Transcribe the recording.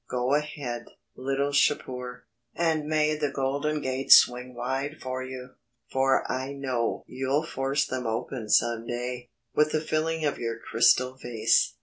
Go ahead, little Shapur, and may the golden gates swing wide for you, for I know you'll force them open some day, with the filling of your crystal vase."